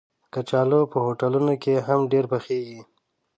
کچالو په هوټلونو کې هم ډېر پخېږي